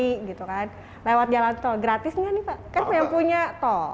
kalau misalnya keluarga anak istri lewat jalan tol gratis nggak nih pak kan yang punya tol